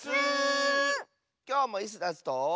きょうもイスダスと。